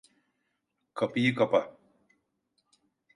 Kapıyı kapa!